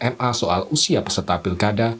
ma soal usia peserta pilkada